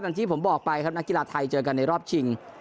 ที่ผมบอกไปครับนักกีฬาไทยเจอกันในรอบชิง